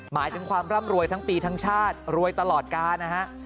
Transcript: หมายถึงความร่ำรวยทั้งปีทั้งชาติรวยตลอดกาลนะฮะ